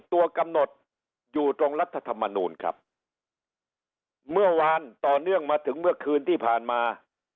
ตัวกำหนดอยู่ตรงรัฐธรรมนูลครับเมื่อวานต่อเนื่องมาถึงเมื่อคืนที่ผ่านมา